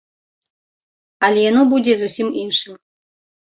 Але яно будзе зусім іншым.